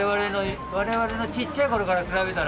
我々のちっちゃい頃から比べたら。